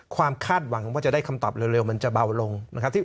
ความคาดหวังว่าจะได้คำตอบเร็วมันจะเบาลง